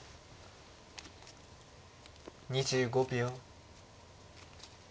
２５秒。